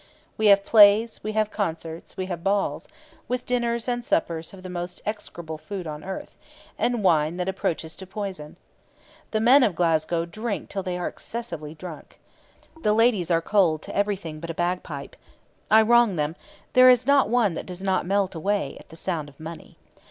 We have plays, we have concerts, we have balls, with dinners and suppers of the most execrable food upon earth, and wine that approaches to poison. The men of Glasgow drink till they are excessively drunk. The ladies are cold to everything but a bagpipe I wrong them there is not one that does not melt away at the sound of money.'